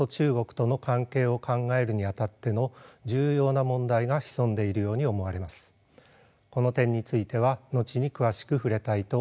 この点については後に詳しく触れたいと思います。